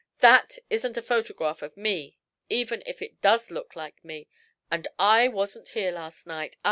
"That isn't a photograph of me, even if it does look like me, and I wasn't here last night.